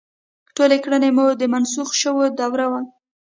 ټولې کړنې به مو د منسوخ شوي دور وي.